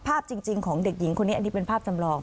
ภาพจริงของเด็กหญิงคนนี้อันนี้เป็นภาพจำลอง